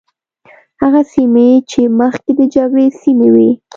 هغه سیمې چې مخکې د جګړې سیمې وي.